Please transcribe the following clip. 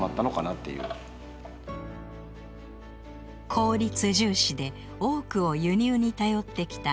効率重視で多くを輸入に頼ってきた飼料や肥料。